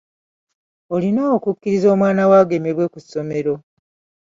Olina okukkiriza omwana wo agemebwe ku ssomero.